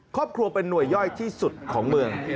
ครอบครัวเป็นหน่วยย่อยที่สุดของเมือง